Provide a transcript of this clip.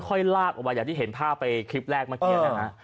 ค่อยลากออกมาอย่างที่เห็นภาพเฮยคลิปแรกมากี้นะคะ